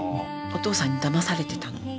お父さんにだまされてたの。